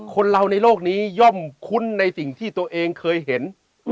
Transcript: คนเราในโลกนี้ย่อมคุ้นในสิ่งที่ตัวเองเคยเห็น